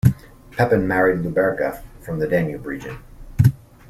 Pepin married Leutberga from the Danube region.